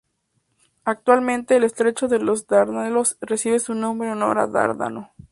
Actualmente, el estrecho de los Dardanelos recibe su nombre en honor a Dárdano.